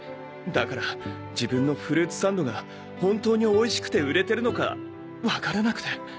だから自分のフルーツサンドが本当においしくて売れてるのかわからなくて。